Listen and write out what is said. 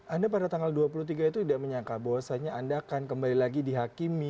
anda pada tanggal dua puluh tiga itu tidak menyangka bahwasannya anda akan kembali lagi dihakimi